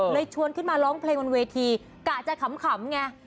ชวนขึ้นมาร้องเพลงบนเวทีกะจะขำไง